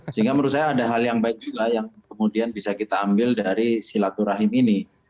sehingga menurut saya ada hal yang baik juga yang kemudian bisa kita ambil dari silaturahim ini